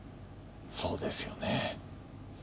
そうですよね。